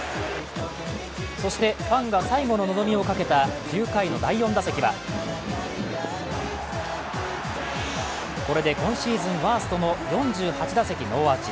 そしてファンが最後の望みをかけた９回の第４打席はこれで今シーズンワーストの４８打席ノーアーチ。